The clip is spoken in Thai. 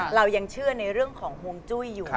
เรายังเชื่อในเรื่องของห่วงจุ้ยอยู่